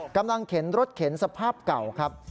กำลังเข็นรถเข็นสภาพเก่าครับ